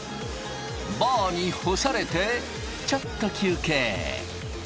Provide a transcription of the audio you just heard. バーに干されてちょっと休憩。